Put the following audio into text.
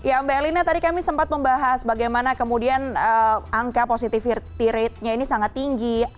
ya mbak elina tadi kami sempat membahas bagaimana kemudian angka positivity ratenya ini sangat tinggi